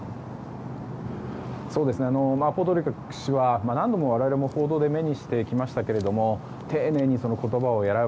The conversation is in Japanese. ポドリャク氏は何度も我々も報道で目にしてきましたけれども丁寧に言葉を選ぶ